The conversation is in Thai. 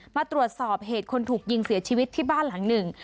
มาตรวจสอบเหตุคนถูกยิงเสียชีวิตที่บ้านหลังหนึ่ง